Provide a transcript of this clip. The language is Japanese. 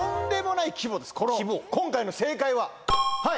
この今回の正解は。